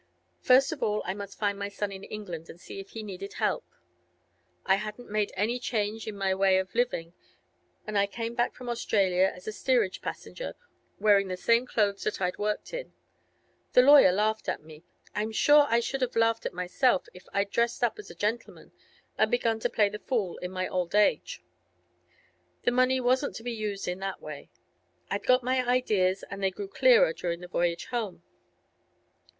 First of all I must find my son in England, and see if he needed help. I hadn't made any change in my way of living, and I came back from Australia as a steerage passenger, wearing the same clothes that I'd worked in. The lawyer laughed at me, but I'm sure I should have laughed at myself if I'd dressed up as a gentleman and begun to play the fool in my old age. The money wasn't to be used in that way. I'd got my ideas, and they grew clearer during the voyage home.